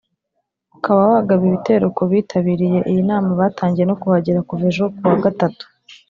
ukaba wagaba ibitero kubitabiriye iyi nama batangiye no kuhagera kuva ejo kuwa gatatu